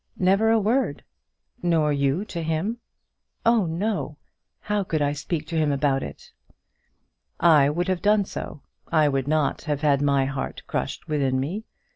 "Never a word." "Nor you to him?" "Oh, no! how could I speak to him about it?" "I would have done so. I would not have had my heart crushed within me.